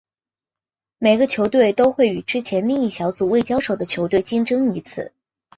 每个球队都会与之前另一小组中未交手的球队竞争一次。